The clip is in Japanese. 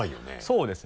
そうですね。